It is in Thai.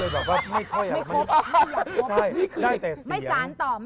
ไม่คบไม่อยากคบ